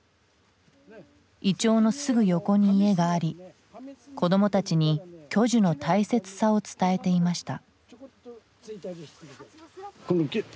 イチョウのすぐ横に家があり子どもたちに巨樹の大切さを伝えていました。